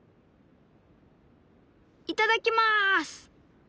いただきます！